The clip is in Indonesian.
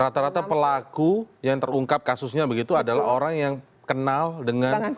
rata rata pelaku yang terungkap kasusnya begitu adalah orang yang kenal dengan